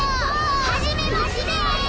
はじめまして！